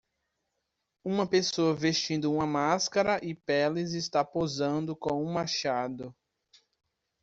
Uma pessoa vestindo uma máscara e peles está posando com um machado.